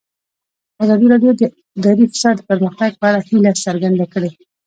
ازادي راډیو د اداري فساد د پرمختګ په اړه هیله څرګنده کړې.